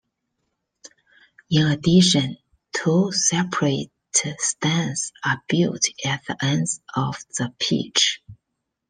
In addition, two separate stands are built at the ends of the pitch.